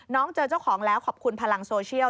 เจอเจ้าของแล้วขอบคุณพลังโซเชียล